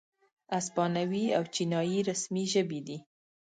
اسپانوي او چینایي رسمي ژبې دي.